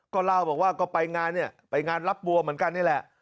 ก็เล่าบอกว่าก็ไปงานรับบัวเหมือนกันนี่แหละ